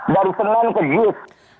dari penan ke jis